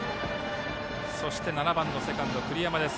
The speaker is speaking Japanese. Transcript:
７番のセカンド栗山です。